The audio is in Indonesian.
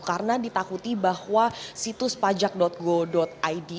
karena ditakuti bahwa situs pajak go id